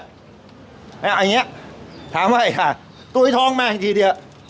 อ่ะอย่างเงี้ยถามว่าไอ้ค่ะตัวไอ้ท้องแม่งทีเดียว